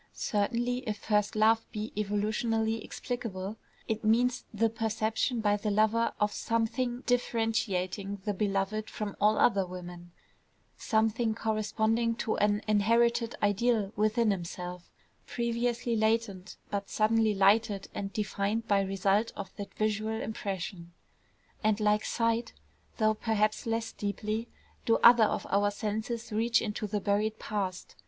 Certainly if first love be evolutionally explicable, it means the perception by the lover of some thing differentiating the beloved from all other women, something corresponding to an inherited ideal within himself, previously latent, but suddenly lighted and defined by result of that visual impression. And like sight, though perhaps less deeply, do other of our senses reach into the buried past.